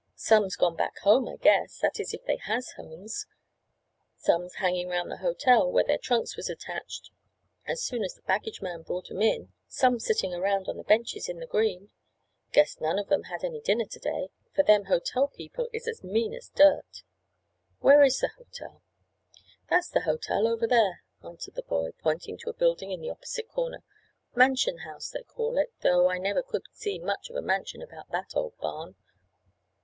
"Some's gone back home I guess, that is if they has homes—some's hanging 'round the hotel, where their trunks was attached as soon as the baggage man brought 'em in—some's sitting around on the benches in the green. Guess none of 'em had any dinner to day, for them hotel people is as mean as dirt." "Where is the hotel?" "That's the hotel, over there," answered the boy, pointing to a building on the opposite corner. "Mansion House, they call it, though I never could see much of a mansion about that old barn."